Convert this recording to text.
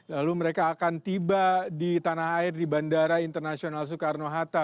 lalu mereka akan tiba di tanah air di bandara internasional soekarno hatta